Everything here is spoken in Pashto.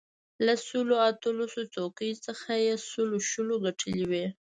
له سلو اتلسو څوکیو څخه یې سلو شلو ګټلې وې.